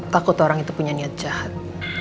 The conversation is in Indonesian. takut orang itu punya niat jahat